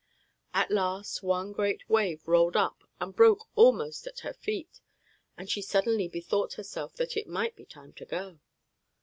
At last, one great wave rolled up and broke almost at her feet, and she suddenly bethought herself that it might be time to go.